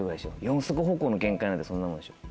四足歩行の限界なんてそんなもんでしょ。